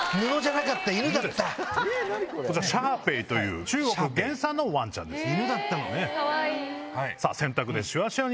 こちらシャーペイという中国原産のわんちゃんです。